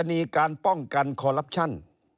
มีการป้องกันคอลลับชั่น